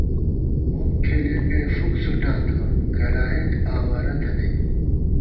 مُک کھېلېنگَئ فُک څُھٹاتہ گلائېک اَوارہ تھنَئیم